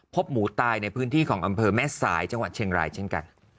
พบหมูตายในพื้นที่ของอำเภอแม่สายจังหวัดเชียงรายเช่นกัน